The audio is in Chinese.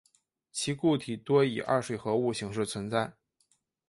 其固体多以二水合物形式存在。